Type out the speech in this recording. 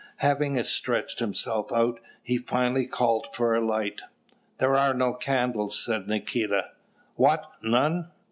Having stretched himself out, he finally called for a light. "There are no candles," said Nikita. "What, none?"